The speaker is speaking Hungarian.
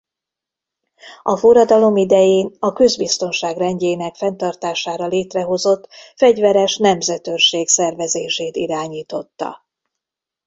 A forradalom idején a közbiztonság rendjének fenntartására létrehozott fegyveres Nemzetőrség szervezését irányította.